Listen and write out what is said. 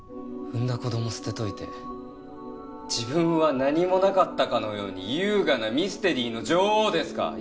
産んだ子供捨てといて自分は何もなかったかのように優雅なミステリーの女王ですか。